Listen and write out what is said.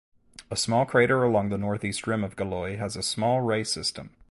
A small crater along the northeast rim of Galois has a small ray system.